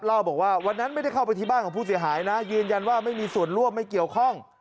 เล่าบอกว่าวันนั้นไม่ได้เข้าไปที่บ้านของผู้เสียหายนะยืนยันว่าไม่มีส่วนร่วมไม่เกี่ยวข้อง